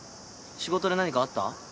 仕事で何かあった？